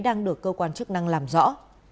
đang được cơ quan chức năng làm rõ